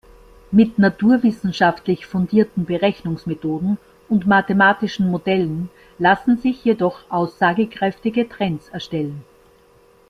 Mit naturwissenschaftlich fundierten Berechnungsmethoden und mathematischen Modellen lassen sich jedoch aussagekräftige Trends erstellen.